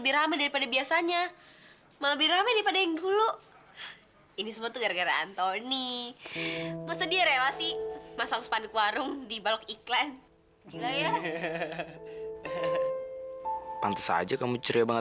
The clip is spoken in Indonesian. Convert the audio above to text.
berisik jangan berisik pelan pelan aja ngomong ya